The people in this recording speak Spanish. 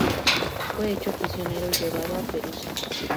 Fue hecho prisionero y llevado a Perusa.